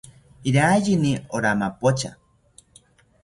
Iraiyini owa mapocha